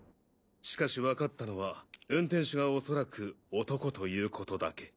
しかし分かったのは運転手が恐らく男ということだけ。